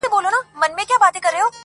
ژ